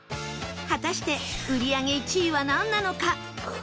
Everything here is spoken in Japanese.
果たして売り上げ１位はなんなのか？